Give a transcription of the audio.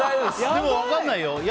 でも分かんないよ。